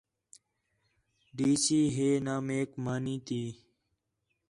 ڈی سی ہے نہ میک مانی تی